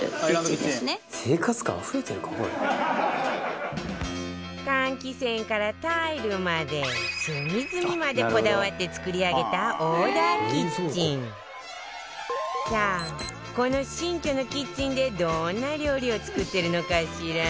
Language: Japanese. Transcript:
もう換気扇からタイルまで隅々までこだわって作り上げたさあこの新居のキッチンでどんな料理を作ってるのかしら？